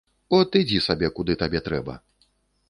От, ідзі сабе, куды табе трэба.